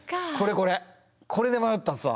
これで迷ったんですわ。